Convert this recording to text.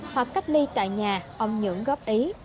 hoặc cách ly tại nhà ông nhưỡng góp ý